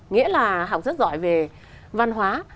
nghĩa là học rất giỏi về văn hóa